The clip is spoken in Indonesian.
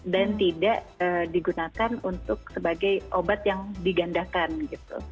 dan tidak digunakan untuk sebagai obat yang digandakan gitu